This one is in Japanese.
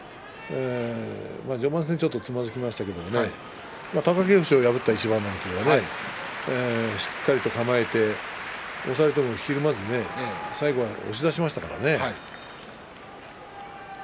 序盤戦にちょっとつまずきましたけど貴景勝を破った一番などというのは、しっかりと構えて押されてもひるまずにね最後、押し出しましたからね。